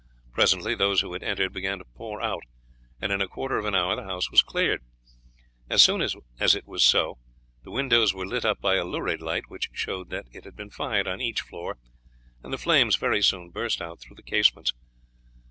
Presently those who had entered began to pour out, and in a quarter of an hour the house was cleared. As soon as it was so the windows were lit up by a lurid light which showed that it had been fired on each floor, and the flames very soon burst out through the casements.